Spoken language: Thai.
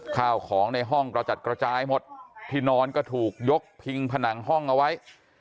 ข้าวของในห้องกระจัดกระจายหมดที่นอนก็ถูกยกพิงผนังห้องเอาไว้